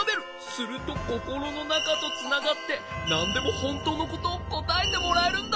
するとココロのなかとつながってなんでもほんとうのことをこたえてもらえるんだ。